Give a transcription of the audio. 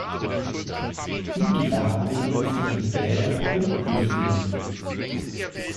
Dinky verabredet sich mit Gerald und küsst ihn.